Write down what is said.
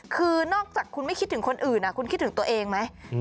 คือนอกจากคุณไม่คิดถึงคนอื่นคุณคิดถึงตัวเองไหม